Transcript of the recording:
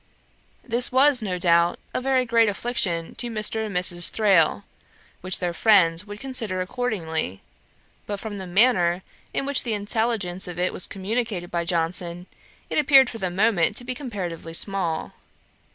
' This was, no doubt, a very great affliction to Mr. and Mrs. Thrale, which their friends would consider accordingly; but from the manner in which the intelligence of it was communicated by Johnson, it appeared for the moment to be comparatively small.